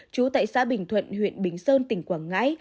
trú tại xã bình thuận huyện bình sơn tỉnh quảng ngãi